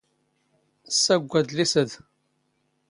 ⵙⵙⴰⴳⴳⵯ ⴰⴷⵍⵉⵙ ⴰⴷ.